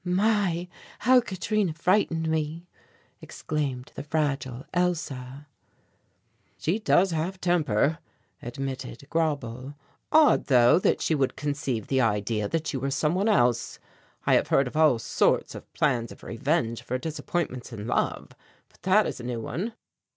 "My, how Katrina frightened me!" exclaimed the fragile Elsa. "She does have temper," admitted Grauble. "Odd, though, that she would conceive that idea that you were some one else. I have heard of all sorts of plans of revenge for disappointments in love, but that is a new one."